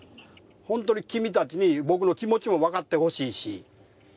本当に君たちに僕の気持ちも分かってほしいし。